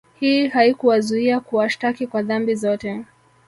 Hii haikuwazuia kuwashtaki kwa dhambi zote